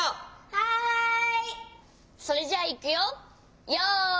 はい。